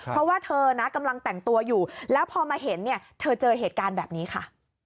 เพราะว่าเธอนะกำลังแต่งตัวอยู่แล้วพอมาเห็นเนี่ยเธอเจอเหตุการณ์แบบนี้ค่ะ